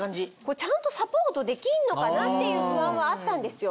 ちゃんとサポートできんのかな？っていう不安はあったんですよ。